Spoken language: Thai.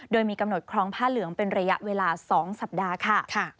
โดยมีกำหนดครองผ้าเหลืองเป็นระยะเวลา๒สัปดาห์ค่ะ